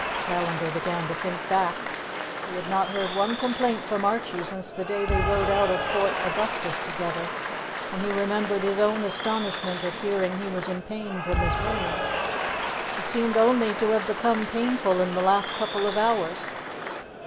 Callandar began to think back. He had not heard one complaint from Archie since the day they rode out of Fort Augustus together, and he remembered his own astonishment at hearing he was in pain from his wound. It seemed only to have become painful in the last couple of hours.